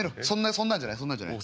そんなんじゃないそんなんじゃない。